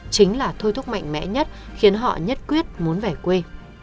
chính là thôi thúc mạnh mẽ nhất khiến họ nhất quyết muốn về quê